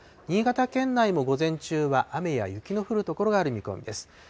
新潟県内も午前中は雨や雪の降る所がある見込みです。